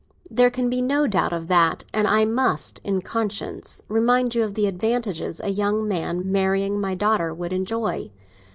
"There can be no doubt of that; and I must, in conscience, remind you of the advantages a young man marrying my daughter would enjoy.